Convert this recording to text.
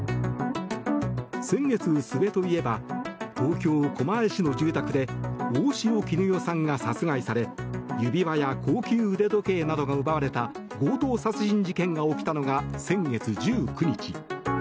先月末といえば東京・狛江市の住宅で大塩衣與さんが殺害され指輪や高級腕時計などが奪われた強盗殺人事件が起きたのが先月１９日。